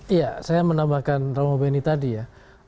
iya saya menambahkan romo beni tadi ya